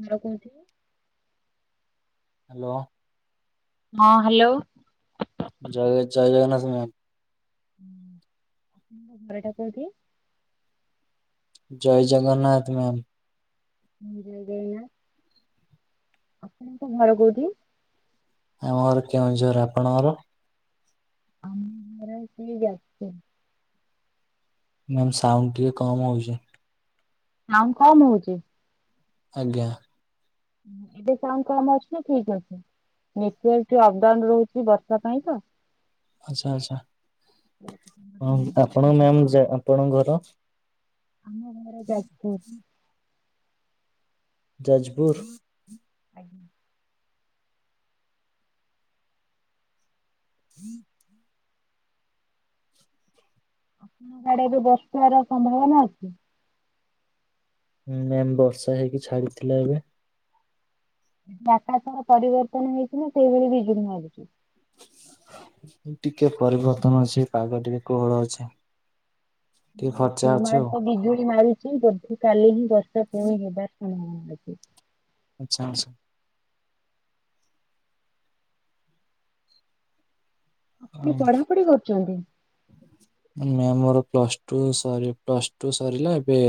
ଘର କୋଉଠି? ହ୍ୟାଲୋ। ହଁ ହ୍ୟାଲୋ। ଜୟ ଜୟ ଜଗନ୍ନାଥ ମ୍ୟାମ। ହଁ, ଆପଣ ଘରଟା କଉଠି? ଜୟ ଜଗନ୍ନାଥ ମ୍ୟାମ୍। ଜୟ ଜଗନ୍ନାଥ। ଆପଣଙ୍କ ଘର କୋଉଠି? ଆମର କେଉଁଝର ଆପଣଙ୍କର? ଆମ ଘର ଆକଚୁଲି ଯାଜପୁର। ମ୍ୟାମ୍ ସାଉଣ୍ଡ ଟିକେ କମ ହଉଚି। ସାଉଣ୍ଡ କମ ହଉଚି? ଆଜ୍ଞା। ଏବେ ସାଉଣ୍ଡ କମ ଅଛି ନା ଠିକ ଅଛି? ନେଟୱାର୍କ ଟିକ ଅପଡାଉନ ରହୁଚି ବର୍ଷା ପାଇଁ ତ। ଆଛା ଆଛା ଆଉ ଆପଣ ମ୍ୟାମ ଜ ଆପଣଙ୍କ ଘର? ଆମ ଘର ଯାଜପୁର। ଯାଜପୁର। ଆଜ୍ଞା। ହୁଁ ଆମ ଆଡେ ଯଉ ବର୍ଷାର ସମ୍ଭାବନା ଅଛି। ହୁଁ ମ୍ୟାମ ବର୍ଷା ହେଇକି ଛାଡିଥିଲା ଏବେ। ଆକାଶର ପରିବର୍ତ୍ତନ ହେଇଛି ନା ସେଇଭଳି ବିଜଳି ମାରୁଛି? ଟିକେ ପରିବର୍ତ୍ତନ ଅଛି ପାଗ ଟିକେ କୋହଳ ଅଛି। ଟିକେ ଖର୍ଚ୍ଚା [unintelligible] ଆମ ଅଛି ଆଡେ ଆଉ ତ ବିଜୁଳି ମାରି ଛି ବୋଧେ କାଲି ହିଁ ବର୍ଷା ପୁଣି ହେବାର ସମୟ ଅଛି। ଆଚ୍ଛାସ ଆପଣ ଆଉ ପଢାପଢି କରୁଛନ୍ତି? ମ୍ୟାମ ମୋର ପ୍ଲସ ଟୁ ସ ପ୍ଲସ ଟ ସରିଲା ଏବେ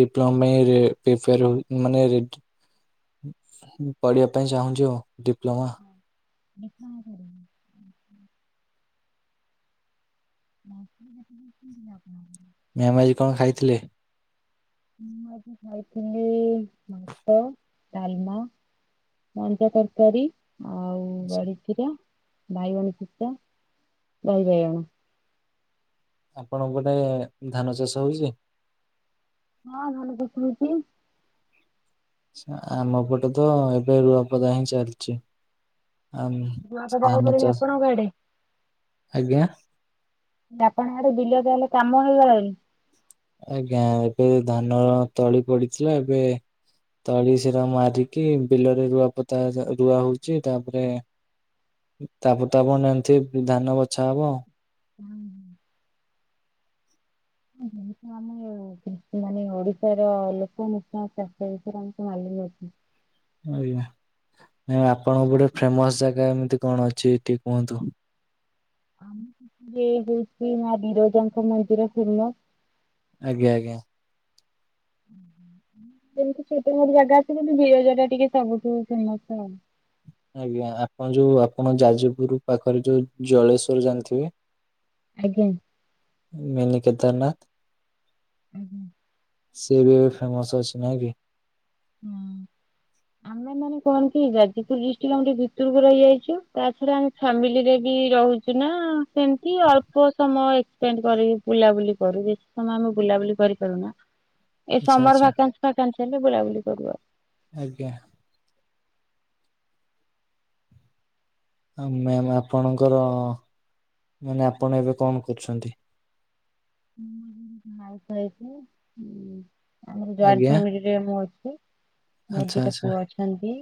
ଡିପ୍ଲୋମ ପାଇଁ ରେ [unintelligible] ମାନେ ରେ ପଢିବା ପାଇଁ ଚାହୁଁଛି ଆଉ ଡିପ୍ଲୋମା। ଦେ [unintelligible] ମ୍ୟାମ ଆଜି କଣ ଖାଇଥିଲେ? ମୁଁ ଆଜି ଖାଇଥିଲି ଭାତ ଡାଲମା ମଞ୍ଜା ତରକାରୀ। ଆଉ ଆଚ୍ଛା। ବଡିଚୁରା ବାଇଗଣ ଛେଚା ଦହି ବାଇଗଣ। ଆପଣ ପଟେ ଧାନ ଚାଷ ହଉଛି? ହଁ ଧାନ ଫସଲ ହୋଉଛି। ସ୍ନା ଆମ ପଟେତ ଏବେ ରୁଆପଦା ହିଁ ଚାଲିଛି। ଆମ ରୁଆ ପୋତା ଧାନ ହେଇଗଲାଣି ଚାଷ ଆପଣଙ୍କ ଆଡେ ଆଜ୍ଞା। ଆପଣ ଆଡେ ବିଲ ତାହେଲେ କାମ ହେଇଗଲାଣି। ଆଜ୍ଞା ଏବେ ଧାନ ତଳି ପଡିଥିଲା ଏବେ ତଳି ସେରା ମାରିକି ବିଲରେ ରୁଆ ପତା ଯା ରୁଆ ହଉଛି ତାପରେ ତାପ ତାପଣ ଜାଣିଥିବେ ଧାନ ବଛା ହବ। ହୁଁ। [unintelligible] ଆମେ ସେମାନେ ଓଡିଶାର ଲୋକ ମୁଖ୍ୟ ଚାଷ ବିଷୟରେ ଆମକୁ ମାନ ନଛି ଆଜ୍ଞା ନାଇ ଆପଣଙ୍କ ଗୋଟେ ଫେମସ ଜାଗା ଏମିତି କଣ ଅଛି ଟିକେ କୁହନ୍ତୁ? ଆମ ସେ ହଉଛି ମା ବିରଜାଙ୍କ ମନ୍ଦିର ଫୁମ ଆଜ୍ଞା ଆଜ୍ଞା। ହୁଁ ହୁଁ ଯେମିତି ଛୋଟ ମୋଟ ଜାଗା ଆସ ବୀରଜ ଟା ଟିକେ ସବୁଠୁ ଫେମସ ଆଉ। ଆଜ୍ଞା ଆପଣ ଯୋଉ ଆପଣ ଯାଜପୁର ପାଖରେ ଯୋଉ ଜଳେଶ୍ଵର ଜାଣିଥିବେ। ଆଜ୍ଞା। ମିନି କେଦାରନାଥ। ହୁ ହୁ। ସିଏ ବି ଏବେ ଫେମସ ଅଛି ନାଇଁ କି? ହୁଁ ଆମେ ମାନେ କଣ କି ଯାଜପୁର ଡିଷ୍ଟ୍ରିକର ଆମେ ଟିକେ ଭିତରକୁ ରହିଯାଇଛୁ ତା ଛଡା ଆମେ ଫାମିଲ ରେ ବି ରହୁ ଚୁନା ସେମିତି ଅଳ୍ପ ସମୟ ଏ ସେମିତି କରିକି ବୁଲାବୁଲି କରୁ ବେଶି ସମୟ ଆମେ ବୁଲାବୁଲି କରିପାରୁନା ଏ ଆଚ୍ଛା ସମର ଆଚ୍ଛା ଭାକା କା ହେଲେ ବୁଲାବୁଲି କରୁଉ ଆଜ୍ଞା। ଆ ମ୍ୟା ଆପଣଙ୍କର ମାନେ ଆପଣ ଏବେ କଣ କରୁଛନ୍ତି? ହେଇବୁ ଆମର ଜଏଣ୍ଟ ଆଜ୍ଞା ଫ୍ୟାମିଲି ପ୍ରେମ ଅଛି ମୋଦି ଆଚ୍ଛା ଦିଟା ଆଚ୍ଛା ପୁଅ ଅଛନ୍ତି।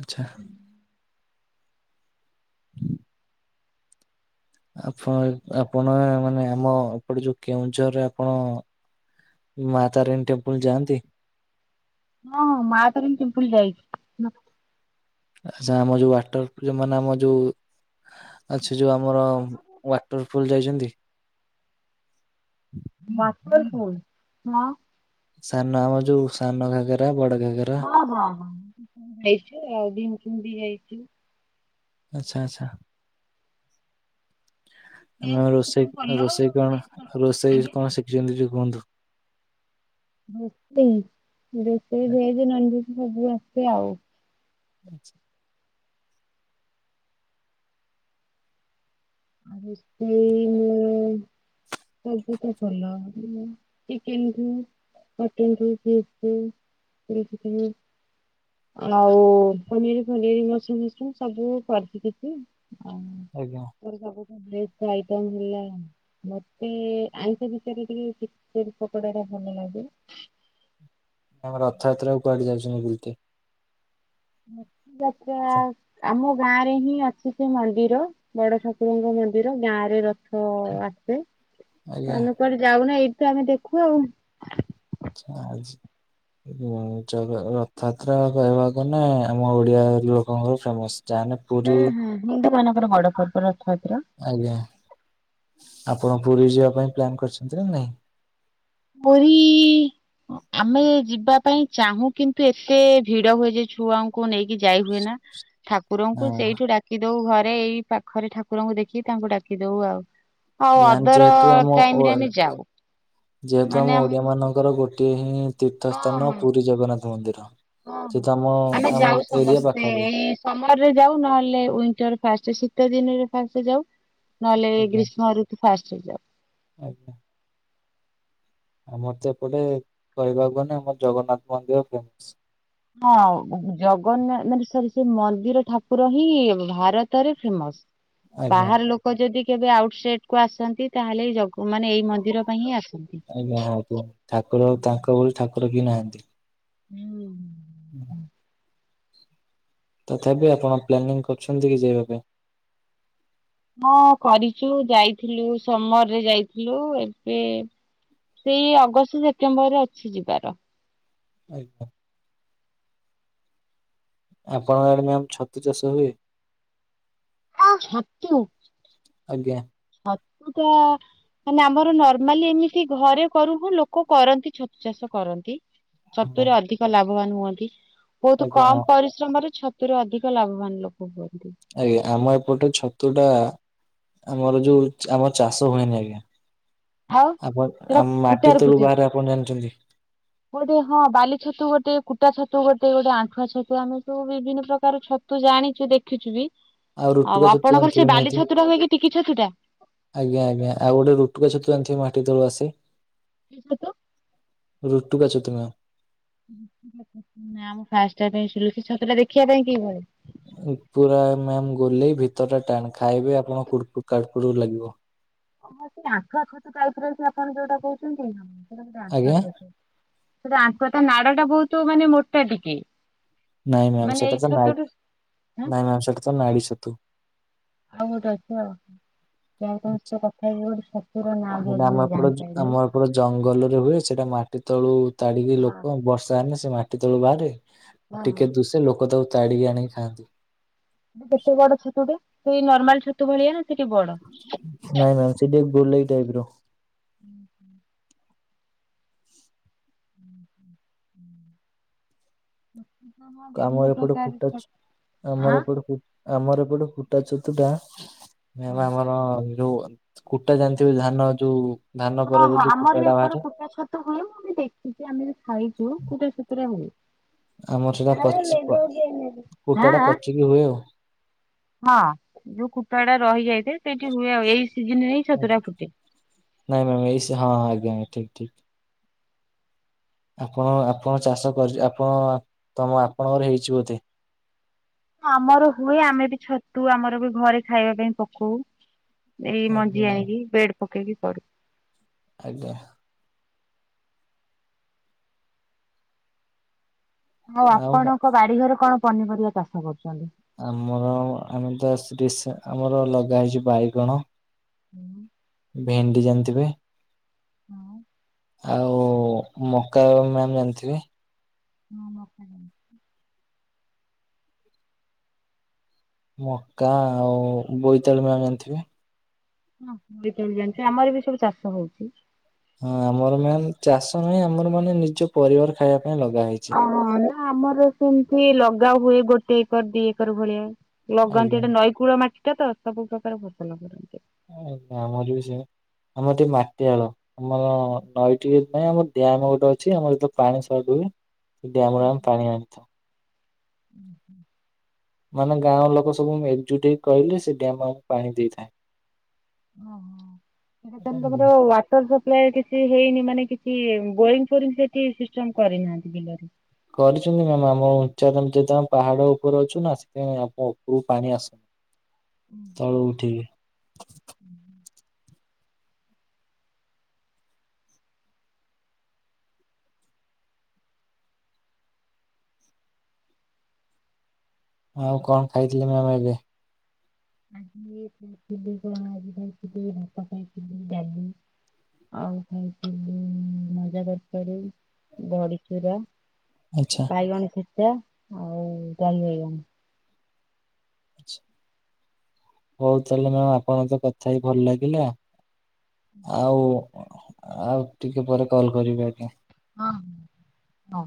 ଆଚ୍ଛା ହୁଁ। ଆପ ଆପଣ ମାନେ ଆମ ଏପଟେ ଯୋଉ କେଉଁଝରରେ ଆପଣ ମା ତାରିଣୀ ଟେମ୍ପୁଲ ଯାଆନ୍ତି? ହଁ ମା ତାରିଣୀ ଟେମ୍ପୁଲ ଯାଇଛି। ଆଚ୍ଛା ଆମ ଯୋଉ ୱାଟର ମାନେ ଆମ ଯୋଉ ଆଚ୍ଛା ଯୋଉ ଆମର ୱାଟରଫଲ୍ ଯାଇଛନ୍ତି? ୱାଟରପୁଲ୍ ହଁ ସାନ ଆମ ଯୋଉ ସାନ ଘାଗରା ବଡ ଘାଗରା। ଅ ହଁ ହଁ ଯାଇଚି ଆଉ ବିମ୍ ଫିମ୍ ବି ଯାଇଛି। ଆଚ୍ଛା ଆଚ୍ଛା। ଭେଜ୍ ଆମ ତ ରୋଷେଇ ସବୁ ଭଲ ରୋଷେଇ ଏ କଣ ସ- ରୋଷେଇ ଆଜ୍ଞା କଣ ଶିଖିଛନ୍ତି ଯୋଉ କୁହନ୍ତୁ? ରୋଷେଇ ରୋଷେଇ ଭେଜ, ନନଭେଜ୍ ସବୁ ଆସେ ଆଉ। ଆଚ୍ଛା। ରୋଷେଇ ସବୁତ କଲ ଚିକେନକୁ [unintelligible] ଆଉ ପନିଆରି ଫନିଆରି ମସରୁମ୍ ଫସରୁମ୍ ସବୁ କରିଛି କିଛି। ଆଉ। ଆଜ୍ଞା। ସବୁ ଭେଜ୍ ଆଇଟମ ହେଲା ମତେ ଆଇଁଷ ଭିତରେ ଟିକେ ପକୋଡାଟା ଭଲ ଲାଗେ। ମେ ରଥଯାତ୍ରାକୁ କୁଆଡେ ଯାଉଛନ୍ତି ବୁଲକେ? ଜାତେରା ଆମ ଗାଁ ରେ ହିଁ ଅଛି ସେ ମନ୍ଦିର ବଡ ଠାକୁରଙ୍କ ମନ୍ଦିର ଗାଁ ରେ ରଥ ଆସେ। ଆଜ୍ଞା ଆମେ କୁଆଡେ ଯାଉନା ଏଇଠୁ ଆମେ ଦେଖୁ ଆଉ। ଚା ଜ। ଁ [inaudible] ହୁଁ ଜଗା ରଥଯାତ୍ରା କହିବା ଗଲେ ଆମ ଓଡିଆ ଲୋକଙ୍କର ଫେମସ ଯାହାନେ ହୁଁ ହୁଁ ହିନ୍ଦୁ ମାନଙ୍କର ବଡ ପର୍ବ ରଥଯାତ୍ରା। ଆଜ୍ଞା ଆପଣ ପୁରୀ ଯିବା ପାଇଁ ପ୍ଲାନ୍ କରିଛନ୍ତି ନା ନାଇଁ? ପୁରୀ ଆମେ ଯିବା ପାଇଁ ଚାହୁଁ କିନ୍ତୁ ଏତେ ଭିଡ ହୁଏ ଯେ ଛୁଆଙ୍କୁ ନେଇକି ଯାଇ ହୁଏ ନା। ଠା କୁରଙ୍କୁ ହଁ ସେଇଠୁ ଡାକି ଦଉ ଘରେ ଏଇ ପାଖରେ ଠାକୁରଙ୍କୁ ଦେଖି ତାଙ୍କୁ ଡାକି ଦଉ ଆଉ। ଆଉ ଯାନ୍ ଅଦର ଯେହେତୁ ଆମ ଓ ଟାଇମରେ ଆମେ ଯାଉ। ଯେହେତୁ ମାନେ ଆମ ଆମର ଓଡିଆ ମାନଙ୍କର ଗୋଟିଏ ହିଁ ତୀର୍ଥ ହଁ ସ୍ଥାନ ହଁ ପୁରୀ ଜଗନ୍ନାଥ ମନ୍ଦିର। ହଁ ହଁ। ସେ ତ ଆମ ଆମ ଏରିଆ ପାଖରେ। ସମର ରେ ଯାଉ ନହେଲେ ୱିଣ୍ଟର ଫାଷ୍ଟ ଶୀତ ଦିନରେ ଫାଷ୍ଟ ଯାଉ। ନହେଲେ ଆଜ୍ଞା ଗ୍ରୀଷ୍ମ ଋତୁ ଫାଷ୍ଟରେ ଯାଉ। ଆଜ୍ଞା। ଆମର ତ ଏପଟେ କହିବାକୁ ଗଲେ ଆମର ଜଗନ୍ନାଥ ମନ୍ଦିର ଫେମସ। ହଁ ଜଗନ୍ନାଥ ମାନେ ସରି ସେ ମନ୍ଦିର ଠାକୁର ହିଁ ଭାରତରେ ଫେମସ। ଆଜ୍ଞା। ବାହାର ଲୋ କ ଯଦି କେବେ ଆଉଟ୍ ସାଇଡ୍ କୁ ଆସନ୍ତି ତାହେଲେ ଏଇ ଜଗ ମାନେ ଏଇ ମନ୍ଦିର ପାଇଁ ହିଁ ଆସନ୍ତି। ଆଜ୍ଞା ହଉଥିବ ଠାକୁର ତାଙ୍କ ଭଳି ଠାକୁର କିଏ ନାହାଁନ୍ତି। ହୁଁ। ହୁଁ। ତଥାପି ଆପଣ ପ୍ଲାନିଂ କରୁଛନ୍ତି କି ଯିବା ପାଇଁ? ହଁ କରିଛୁ ଯାଇଥିଲୁ ସମରରେ ଯାଇଥିଲୁ, ଏବେ ସେଇ ଅଗଷ୍ଟ ସେପ୍ଟେମ୍ବର ରେ ଅଛି ଯିବାର। ଆଜ୍ଞା। ଆପଣଙ୍କ ଆଡେ ମ୍ୟାମ ଛତୁ ଚାଷ ହୁଏ? ହଁ ଛତୁ ଆଜ୍ଞା। ଛତୁ ଟା ମାନେ ଆମର ନର୍ମାଲି ଏମିତି ଘରେ କରୁ ହୁଁ ଲୋକ କରନ୍ତି ଛତୁ ଚାଷ କରନ୍ତି। ହଁ। ଛତୁରେ ଅଧିକ ଲାଭବାନ ହୁଅନ୍ତି। ବୋହୁତ ଆଜ୍ଞା କମ ହଁ। ପରିଶ୍ରମରେ ଛ ତୁରେ ଅଧିକ ଲାଭବାନ ଲୋକ ହୁଅନ୍ତି। ଆଜ୍ଞା ଆମ ଏପଟେ ଛତୁ ଟା ଆମର ଯୋଉ ଚା ଆମର ଚାଷ ହୁଏନି ଆଜ୍ଞା। ଆଉ ଆପଣ ସେଟା ଆମ ମାଟି ତଳୁ ବାହାରେ ଆପଣ ଜାଣିଚନ୍ତି? ବୋଧେ ହଁ ବାଲି ଛତୁ ଗୋଟେ କୁଟା ଛତୁ ଗୋଟେ ଗୋଟେ ଆଣ୍ଠୁଆ ଛତୁ ଆମେ ସବୁ ବିଭିନ୍ନ ପ୍ରକାର ଛତ ତୁ ଜାଣିଚୁ ଦେଖିଚୁ ବି ରୁଟୁକା ଆଉ ଛତୁ ଆପଣଙ୍କର ଜାଣିଥିବେ ସେଇ ବାଲି ନିହାତି। ଛତୁ ଟା ହୁଏ କି ଟିକି ଛତୁ ଟା? ଆଜ୍ଞା ଆଜ୍ଞା ଆଉ ଗୋଟେ ରୁଟୁକା ଛତୁ ଜାଣିଥିବେ ମାଟି ତଳୁ ଆସେ? କି ଛତୁ? ରୁଟୁକା ଛତୁ ମ୍ୟାମ। ରୁଟୁକା ଛତୁ ନା ମୁଁ ଫାଷ୍ଟ ଟାଇମ ପାଇଁ ଶୁଣିଲି। ସେ ଛତୁଟା ଦେଖିବା ପାଇଁ କିଭଳି? ପୁରା ମ୍ୟାମ ଗଲେଇ ଭିତର ଟା ଟାଣ। ଖାଇବେ ଆପଣ କୁଡ୍ କୁଡ୍ କାଡ୍ କୁଡ୍ ଲାଗିବ। ହଁ ସେ ଆଣ୍ଡୁଆ ଛତୁ ଟାଇପ ର ସେ ଆପଣ ଯୋଉଟା କୋହୁଚନ୍ତି। ନା ସେଟା ବୋଧେ ଆଜ୍ଞା ଆଣ୍ଡୁଆ ଛତୁ। ସେଟା ଆଣ୍ଡୁଆ ତା ନାଡ ଟା ବୋହୁତ ମାନେ ମୋଟା ଟିକେ। ନାଇଁ ମ୍ୟାମ୍ ମାନେ ଏଇ ସେଟାତ ନା ନାଇଁ ଛୋଟଠୁ ଆଁ ମ୍ୟାମ୍ ସେଟା ତ ନାଡ଼ି ଛତୁ। ଆଉ ଗୋଟେ ଅଛି ଆଉ କଣ ଯାହା ହୋଉ ତମ ସହିତ କଥା ହେଇକି ଗୋଟେ ଛତୁର ନା ବି ହେଲେ ଆଜି ଆମ ମୁଁ ଏପଟ ଜାଣି ଆମ ପାଇଲି। ଏପଟ ଜଙ୍ଗଲରେ ହୁଏ। ସେଟା ମାଟି ତଳୁ ତାଡିକି ହଁ ଲୋକ ବର୍ଷା ହେନେ ସେ ମାଟି ତଳୁ ବାହାରେ। ହଁ ହଁ। ଟିକେ ଦୁସେ ଲୋକ ତାକୁ ତାଡିକି ଆଣି ଖାଆନ୍ତି। ମାନେ କେତେ ବଡ ଛତୁ ଟେ ସେଇ ନର୍ମାଲ ଛତୁ ଭଳିଆ ନା ଟିକେ ବଡ? ନାଇଁ ମ୍ୟାମ ସେ ଟିକେ ଗୋଲେଇ ଟାଇପ ର। ଉହୁଁ। ଉଁ ହୁଁ ହୁଁ। [inaudible] ଆମର ବିଭିନ୍ନ ଏପଟେ ପ୍ରକାର କୁଟା ଛ ଛତ୍ ଆମର ଆଁ? ଏପଟେ କୁ ଆମର ଏପଟେ କୁଟା ଛତୁ ଟା ହଁ। ମ୍ୟାମ୍ ଆମର ଯୋଉ କୁଟା ଜାଣିଥିବେ ଧାନ ଯୋଉ ଧାନ ପରେ ହଁ ପରେ ହଁ ଯୋଉ କୁଟା ଆମର ବି ଟା ଏପଟେ ବାହାରେ କୁଟା ଛତୁ ହୁଏ। ମୁଁ ବି ଦେଖିଚି ଆମେ ବି ଖାଇଚୁ କୁଟା ଛତୁରେ ହୁଏ। ଆମର ସେଟା ପଚି ପ୍ ଆଁ କୁଟା ଟା ଆଁ ପଚିକି ହୁଏ ଆଉ। ହଁ ଯୋଉ କୁଟୁା ଟା ରହିଯାଇଥାଏ ସେଇଠି ହୁଏ ଆଉ। ଏଇ ସିଜିନରେ ହିଁ ଛତୁଟା ଫୁଟେ। ନାଇଁ ମ୍ୟାମ ଏଇ ସି ହଁ ହଁ ଆଜ୍ଞା ମ୍ୟା ଠିକ୍ ଠିକ୍। ଆପଣ ଆପଣ ଚାଷ କରି ଆପଣ ତମ ଆପଣଙ୍କର ହେଇଚି ବୋଧେ? ଆମର ହୁଏ। ଆମେ ବି ଛତୁ ଆମର ବି ଘରେ ଖାଇବା ପାଇଁ ପକୋଉ। ଏଇ ମଞ୍ଜି ଆଜ୍ଞା ଆଣିକି ବେଡ ପକେଇକି କରୁ। ଆଜ୍ଞା। ଆଉ ଆପଣଙ୍କ ବାଡିଘରେ କଣ ପନିପରିବା ଚାଷ କରୁଚନ୍ତି? ଆମର ଆମେ ତ ଆସି ରିସ୍ ଆମର ଲଗା ହେଇଚି ବାଇଗଣ। ହୁଁ। ଭେଣ୍ଡି ଜାଣିଥିବେ? ହଁ। ଆଉ ମକା ମ୍ୟାାମ ଜାଣିଥିବେ? ହଁ ମକା ଜାଣିଛି। ମକା ଆଉ ବୋଇତାଳୁ ମ୍ୟାମ ଜାଣିଥିବେ? ହଁ ବୋଇତଆଳୁ ଜାଣିଚି। ଆମର ବି ସବୁ ଚାଷ ହୋଉଚି। ହଁ ଆମର ମ୍ୟାମ ଚାଷ ନାହିଁ। ଆମର ମାନେ ନିଜ ପରିବାର ଖାଇବା ପାଇଁ ଲଗା ହେଇଚି। ଓହୋ ନା ଆମର ସେମିତି ଲଗା ହୁଏ। ଗୋଟେ ଏକର ଦିଇ ଏକର ଭଳିଆ। ଲଗାନ୍ତି ଆଜ୍ଞା ଏଇଟା ନଈକୂଳ ମାଟି ଟା ତ ସବୁ ପ୍ରକାର ଫସଲ କରନ୍ତି। ଆଜ୍ଞା ଆମର ବି ସେ ଆମର ଟିକେ ମାଟିଆଳ। ଆମର ନଈ ଟିକେ ନାଇଁ ଆମର ଡ୍ୟାମ ଗୋଟେ ଅଛି ଆମର ଯେତେବେଳେ ପାଣି ସଟ ହୁଏ। ସେଇ ଡ୍ୟାମ ରୁ ଆମେ ପାଣି ଆ ଉଁ ହୁଁ। ମାନେ ଗାଁ ଲୋକ ସବୁ ଏକଜୁଟ ହେଇ କହିଲେ ସେ ଡ୍ୟାମ ଆମକୁ ପାଣି ଦେଇଥାଏ। ଓହୋ ସେଇଟା ତାହେଲେ ତମର ୱା ୱାଟର ସପ୍ଲାଏ କିଛି ହେଇନି ମାନେ କିଛି ବୋରିଙ୍ଗ ଫୋରିଙ୍ଗ ସେଠି ସିଷ୍ଟମ କରିନାହାନ୍ତି ବିଲରେ? କରିଛନ୍ତି ମ୍ୟାମ ଆମ ଉଞ୍ଚା ଯେହେତୁ ଆମେ ପାହାଡ଼ ଉପରେ ଅଛୁ ନା ସେଥିପାଇଁ ଆମ ଉପରକୁ ପାଣି ଆସୁନି। ଉଁ ହୁଁ। ଆଉ ଉଠିକି। ଉଁ ହୁଁ। ଆଉ କଣ ଖାଇଥିଲେ ମ୍ୟାମ ଏବେ? ଆଜି ଏ ଖାଇଥିଲି କଣ ଆଜି ଖାଇଥିଲି ଭାତ ଖାଇଥିଲି ଡାଲି। ଆଉ ଖାଇଥିଲି ମଞ୍ଜା ତରକାରୀ ବଡିଚୁରା। ଆଚ୍ଛା। ବାଇଗଣ ଛେଚା ଆଉ ଦହି ବାଇଗଣ। ହଉ ତାହେଲେ ମ୍ୟାମ ଆପଣ ସହ କଥା ହେଇ ଭଲ ଲାଗିଲା ଆଉ। ଆଉ ଟିକେ ପରେ କଲ କରିବି ଆଜ୍ଞା। ହଁ ହଉ।